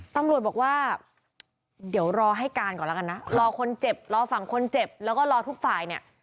ตำรวจบอกว่าเดี๋ยวรอให้การก่อนแล้วกันนะรอคนเจ็บรอฝั่งคนเจ็บแล้วก็รอทุกฝ่ายเนี่ย